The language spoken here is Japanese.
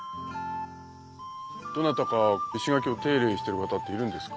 どなたか石垣を手入れしてる方っているんですか？